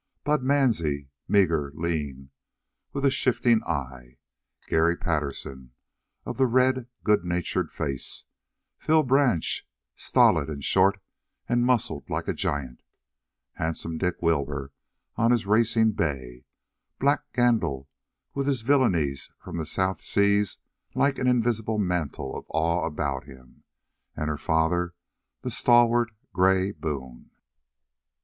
Bud Mansie, meager, lean, with a shifting eye; Garry Patterson, of the red, good natured face; Phil Branch, stolid and short and muscled like a giant; Handsome Dick Wilbur on his racing bay; Black Gandil, with his villainies from the South Seas like an invisible mantle of awe about him; and her father, the stalwart, gray Boone.